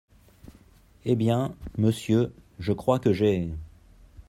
Eh bien, monsieur, je crois que j’ai…